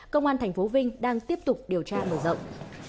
công an tp vinh đang tiếp tục điều tra mở rộng